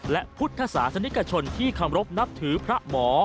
และพุทธศาสนิกชนที่เคารพนับถือพระหมอ